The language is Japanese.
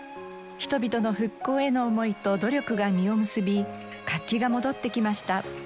人々の復興への思いと努力が実を結び活気が戻ってきました。